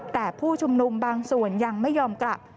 แต่ผู้ชุมนุมบางส่วนยังไม่ยอมกลับ